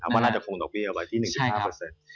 ว่าน่าจะคงต่อไปเอาไว้ที่๑๕เปอร์เซ็นต์